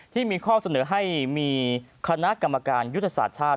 ที่มีข้อเสนอให้มีคณะกรรมการยุทธศาสตร์ชาติ